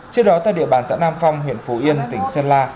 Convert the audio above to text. trước đó tại địa bàn xã nam phong huyện phú yên tỉnh sơn la